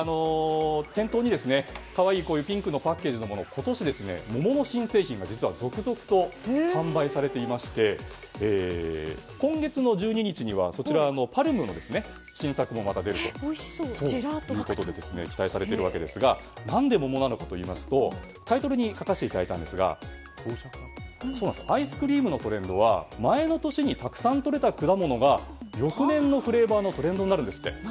店頭に可愛いピンクのパッケージの今年、桃の新製品が実は続々と販売されていまして今月の１２日にはＰＡＲＭの新作も出るということで期待されているわけですが何で桃かといいますとタイトルに書かせていただいたんですがアイスクリームのトレンドは前の年にたくさんとれた果物が翌年のフレーバーのトレンドになるんですって。